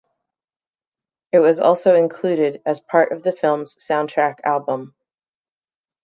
It was also included as part of the film's soundtrack album.